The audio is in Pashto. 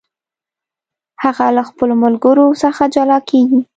هغه له خپلو ملګرو څخه جلا کیږي.